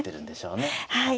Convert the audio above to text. はい。